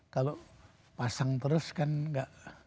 kalau pasang terus kan enggak